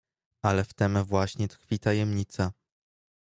"Ale w tem właśnie tkwi tajemnica."